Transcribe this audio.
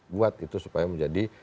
buat itu supaya menjadi